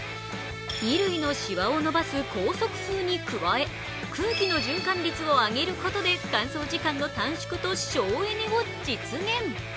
衣類のしわを伸ばす高速風に加え空気の循環率を上げることで乾燥時間の短縮と省エネを実現。